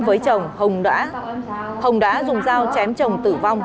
với chồng hồng đã dùng dao chém chồng tử vong